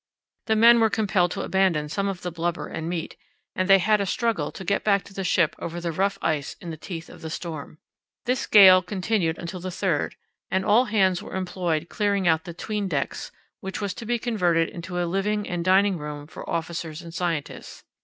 The men were compelled to abandon some of the blubber and meat, and they had a struggle to get back to the ship over the rough ice in the teeth of the storm. This gale continued until the 3rd, and all hands were employed clearing out the 'tween decks, which was to be converted into a living and dining room for officers and scientists.